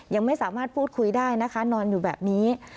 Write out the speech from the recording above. ยังไม่สามารถพูดคุยได้นะคะนอนอยู่แบบนี้